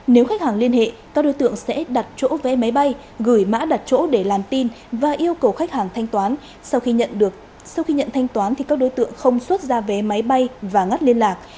nếu khách hàng liên hệ các đối tượng sẽ đặt chỗ vé máy bay gửi mã đặt chỗ để làm tin và yêu cầu khách hàng thanh toán sau khi nhận thanh toán các đối tượng không xuất ra vé máy bay và ngắt liên lạc